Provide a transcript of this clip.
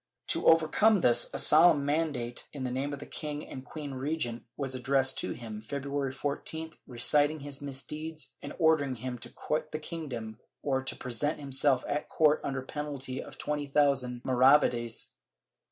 To overcome this, a solemn mandate in the name of the king and queen regent was addressed to him, February 14th, reciting his misdeeds and ordering him to quit the kingdom or to present himself at court under penalty of twenty thousand maravedis.